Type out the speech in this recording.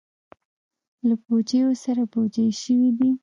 له بوجیو سره بوجۍ شوي دي.